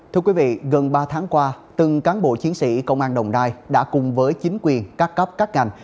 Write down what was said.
thưa quý vị gần ba tháng qua từng cán bộ chiến sĩ công an đồng nai đã cùng với chính quyền các cấp các ngành